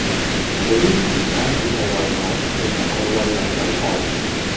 你呢次唔單止係為我，直頭係為民除害